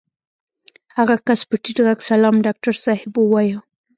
هغه کس په ټيټ غږ سلام ډاکټر صاحب ووايه.